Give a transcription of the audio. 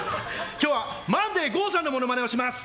今日はマンデーＧＯさんのまねをします。